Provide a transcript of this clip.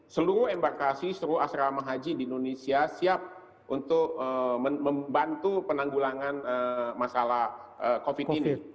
seluruh embarkasi seluruh asrama haji di indonesia siap untuk membantu penanggulangan masalah covid ini